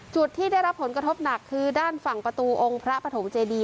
ที่ได้รับผลกระทบหนักคือด้านฝั่งประตูองค์พระปฐมเจดี